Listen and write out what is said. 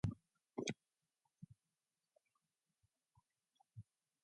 Double click leaves the scene.